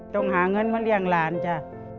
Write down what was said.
ต้องหาเงินมาเลี้ยงหลานจ้ะ